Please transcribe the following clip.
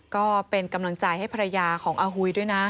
ก็เป็นกำลังใจให้ภรรยาของอาหุยด้วยนะ